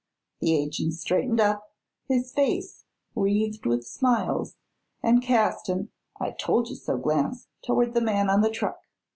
The agent straightened up, his face wreathed with smiles, and cast an "I told you so!" glance toward the man on the truck.